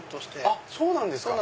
あっそうなんですか！